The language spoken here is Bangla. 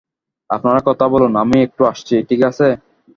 আপনারা কথা বলুন আমি একটু আসছি, ঠিক আছে?